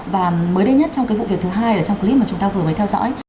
và mới đây nhất trong cái vụ việc thứ hai ở trong clip mà chúng ta vừa mới theo dõi